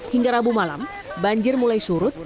hingga rabu malam banjir mulai surut